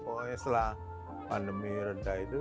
pokoknya setelah pandemi rendah itu